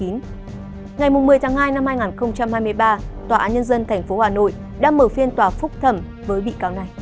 ngày một mươi tháng hai năm hai nghìn hai mươi ba tòa án nhân dân tp hà nội đã mở phiên tòa phúc thẩm với bị cáo này